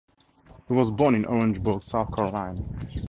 He was born in Orangeburg, South Carolina.